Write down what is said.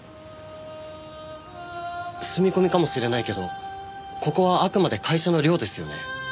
住み込みかもしれないけどここはあくまで会社の寮ですよね？